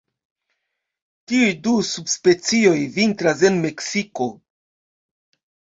Tiuj du subspecioj vintras en Meksiko.